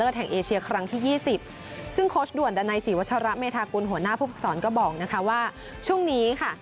แห่งเอเชียครั้งที่ยี่สิบซึ่งโค้ชด่วนดันัยศรีวัชระเมธากุลหัวหน้าผู้ฝึกศรก็บอกนะคะว่าช่วงนี้ค่ะ